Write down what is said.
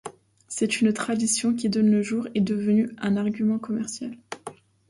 C'est une tradition qui, de nos jours, est devenue un argument commercial.